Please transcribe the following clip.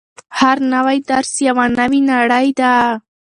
هر نوی درس یوه نوې نړۍ ده.